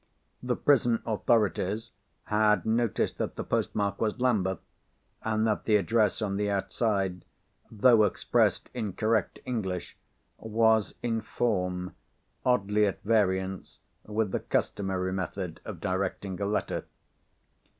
The prison authorities had noticed that the postmark was 'Lambeth,' and that the address on the outside, though expressed in correct English, was, in form, oddly at variance with the customary method of directing a letter.